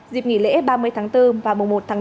dịp nghỉ lễ ba mươi tháng bốn và mùa một tháng năm